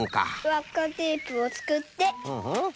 わっかテープをつくって。